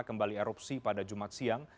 kembali erupsi pada jumat siang